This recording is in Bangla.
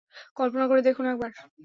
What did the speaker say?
কল্পনা করে দেখুন একবার!